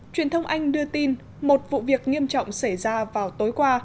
truyền thông anh đưa tin một vụ việc nghiêm trọng xảy ra vào tối qua